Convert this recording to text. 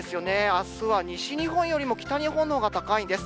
あすは西日本よりも北日本のほうが高いんです。